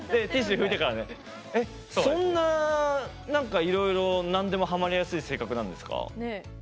そんないろいろなんでもハマりやすい性格なんですか？